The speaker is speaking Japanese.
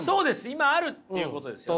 今あるっていうことですよね。